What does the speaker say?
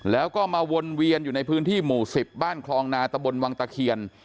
แล้วก็มาวนเวียนอยู่ในพื้นที่หมู่๑๐บ้านคลองนาตะบนวังตะเคียน